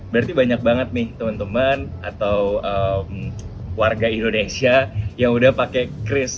berarti banyak banget nih teman teman atau warga indonesia yang udah pakai kris